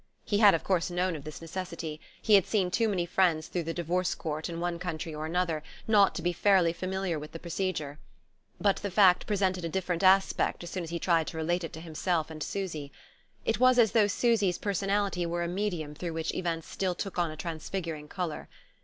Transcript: He had of course known of this necessity: he had seen too many friends through the Divorce Court, in one country or another, not to be fairly familiar with the procedure. But the fact presented a different aspect as soon as he tried to relate it to himself and Susy: it was as though Susy's personality were a medium through which events still took on a transfiguring colour.